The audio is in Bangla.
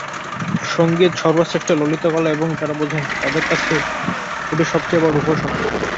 সঙ্গীত সর্বশ্রেষ্ঠ ললিত কলা এবং যাঁরা বোঝেন, তাঁদের কাছে ওটি সবচেয়ে বড় উপাসনা।